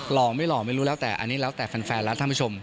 หล่อไม่หล่อไม่รู้แล้วแต่อันนี้แล้วแต่แฟนแล้วท่านผู้ชม